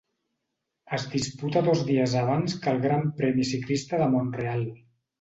Es disputa dos dies abans que el Gran Premi Ciclista de Mont-real.